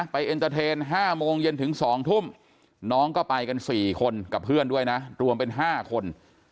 เอ็นเตอร์เทน๕โมงเย็นถึง๒ทุ่มน้องก็ไปกัน๔คนกับเพื่อนด้วยนะรวมเป็น๕คน